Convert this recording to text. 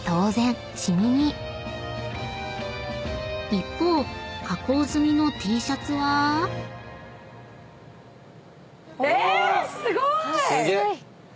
［一方加工済みのＴシャツは］え！